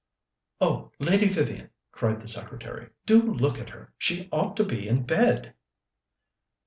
"Oh, Lady Vivian," cried the secretary, "do look at her! She ought to be in bed."